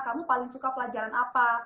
kamu paling suka pelajaran apa